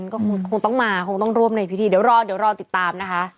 ก็คงต้องมาคงต้องร่วมในพิธีเดี๋ยวรอเดี๋ยวรอติดตามนะคะ